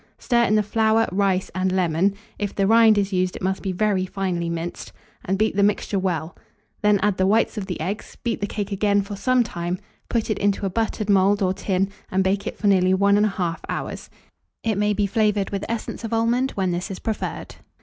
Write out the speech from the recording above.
Stir in the flour, rice, and lemon (if the rind is used, it must be very finely minced), and beat the mixture well; then add the whites of the eggs, beat the cake again for some time, put it into a buttered mould or tin, and bake it for nearly 1 1/2 hour. It may be flavoured with essence of almonds, when this is preferred.